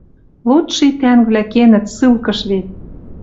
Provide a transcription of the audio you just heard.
Лучший тӓнгвлӓ кенӹт ссылкыш вет.